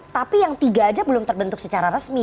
tapi yang tiga aja belum terbentuk secara resmi